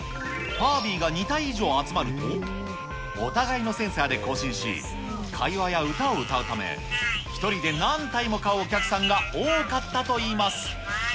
ファービーが２体以上集まると、お互いのセンサーで交信し、会話や歌を歌うため、１人で何体も買うお客さんが多かったといいます。